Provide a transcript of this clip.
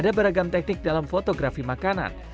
ada beragam teknik dalam fotografi makanan